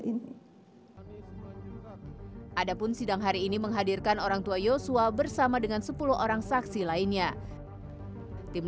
ini adapun sidang hari ini menghadirkan orangtua yosua bersama dengan sepuluh orang saksi lainnya tim